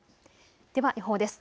では予報です。